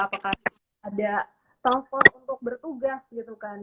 apakah ada telepon untuk bertugas gitu kan